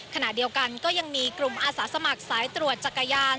ขณะเดียวกันก็ยังมีกลุ่มอาสาสมัครสายตรวจจักรยาน